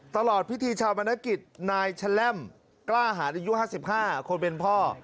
ตลอดพิธีชาปนกิจนายแชล่มกล้าหารอายุ๕๕คนเป็นพ่อ